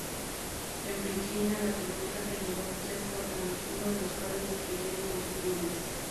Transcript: En Virginia, la tormenta generó tres tornados, uno de los cuales destruyeron dos viviendas.